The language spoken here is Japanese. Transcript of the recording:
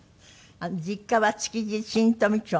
実家は築地新富町の。